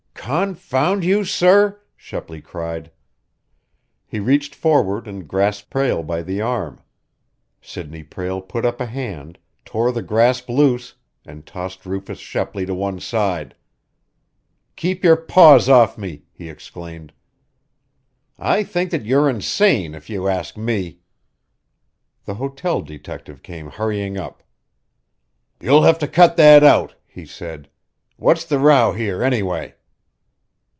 "Confound you, sir!" Shepley cried. He reached forward and grasped Prale by the arm. Sidney Prale put up a hand, tore the grasp loose, and tossed Rufus Shepley to one side. "Keep your paws off me!" he exclaimed. "I think that you're insane, if you ask me!" The hotel detective came hurrying up. "You'll have to cut that out!" he said. "What's the row here, anyway?"